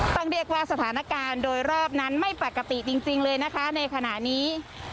ต้องเรียกว่าสถานการณ์โดยรอบนั้นไม่ปกติจริงเลยนะคะในขณะนี้